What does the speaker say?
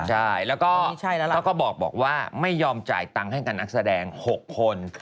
ใช่แล้วก็เขาก็บอกว่าไม่ยอมจ่ายตังค์ให้กับนักแสดง๖คน